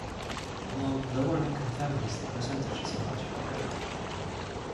Among lower income families the percentage is much higher.